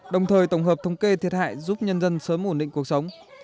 đồng thời tổng hợp thống kê thiệt hại giúp nhân dân sớm ổn định cuộc sống